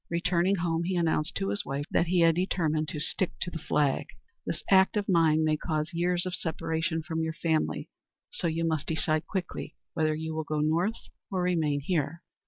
Returning home, he announced to his wife that he had determined to "stick to the flag." "This act of mine may cause years of separation from your family; so you must decide quickly whether you will go North or remain here."